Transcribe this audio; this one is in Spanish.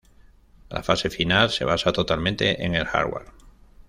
La fase final se basa totalmente en el hardware.